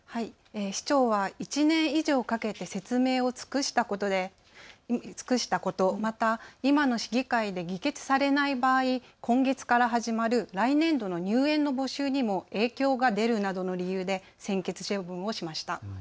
市長は１年以上かけて説明を尽くしたことや今の市議会で議決されない場合、今月から始まる来年度の入園の募集にも影響が出るなどの理由で専決処分をしました。